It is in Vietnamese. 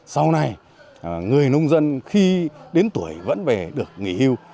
sau này người nông dân khi đến tuổi vẫn về được nghỉ hưu